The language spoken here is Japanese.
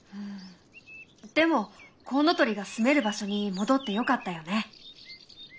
でもコウノトリがすめる場所に戻ってよかったよね。